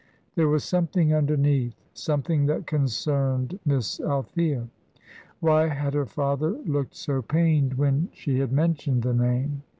There was something underneath; something that concerned Miss Althea. Why had her father looked so pained when she had mentioned the name?